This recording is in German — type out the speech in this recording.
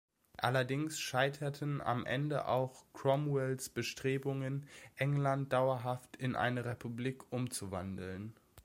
Allerdings scheiterten am Ende auch Cromwells Bestrebungen, England dauerhaft in eine Republik umzuwandeln.